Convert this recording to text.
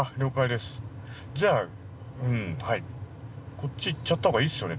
こっち行っちゃったほうがいいですよね